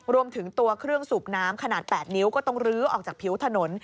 รวมถึงตัวเครื่องสูบน้ำขนาด๘นิ้วก็ต้องลื้อออกจากผิวถนน